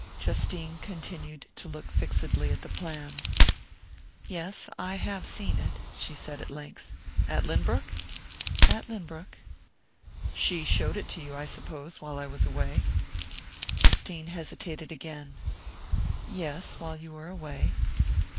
Justine continued to look fixedly at the plan. "Yes, I have seen it," she said at length. "At Lynbrook?" "At Lynbrook." "She showed it to you, I suppose while I was away?" Justine hesitated again. "Yes, while you were away."